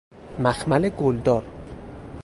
مخمل گلدار